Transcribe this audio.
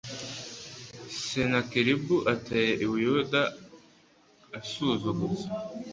Senakeribu atera i Buyuda asuzuguza